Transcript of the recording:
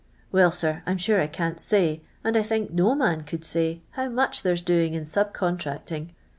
Well, sir, I 'm sure I can't say, and I think no man could say, how much there's doing in sub contracting.